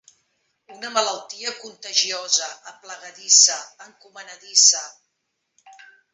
Una malaltia contagiosa, aplegadissa, encomanadissa.